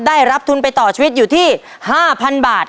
ได้รับทุนไปต่อชีวิตอยู่ที่๕๐๐๐บาท